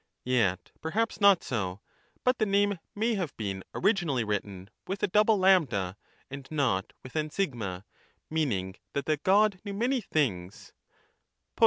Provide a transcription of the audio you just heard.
Yet, perhaps, not so ; but the name may have been originally written with a double A and not with an a, meaning that the God knew many things ' IL xiv.